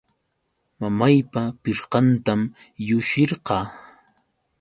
Mamaypa pirqantam llushirqaa.